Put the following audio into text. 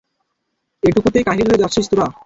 এটুকুতেই কাহিল হয়ে যাচ্ছিস তোরা!